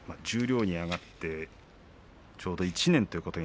十両に上がってちょうど１年。